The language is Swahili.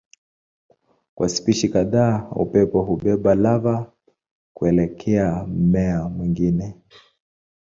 Kwa spishi kadhaa upepo hubeba lava kuelekea mmea mwingine.